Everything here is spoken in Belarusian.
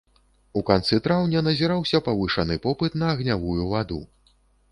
У канцы траўня назіраўся павышаны попыт на агнявую ваду.